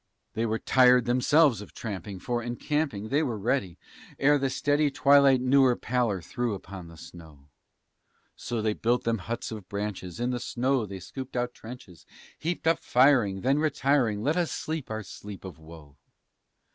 They were tired themselves of tramping, for encamping they were ready, Ere the steady twilight newer pallor threw upon the snow; So they built them huts of branches, in the snow they scooped out trenches, Heaped up firing, then, retiring, let us sleep our sleep of woe.